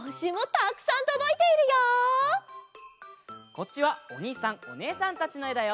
こっちはおにいさんおねえさんたちのえだよ。